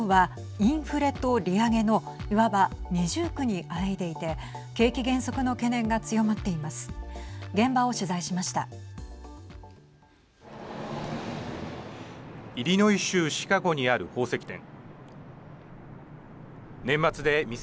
イリノイ州シカゴにある宝石店。